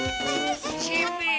しんべヱ！